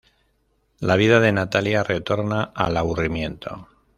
La vida de Natalia retorna al aburrimiento.